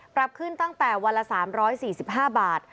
ปรับขึ้นตั้งแต่วันละ๓๔๕บาท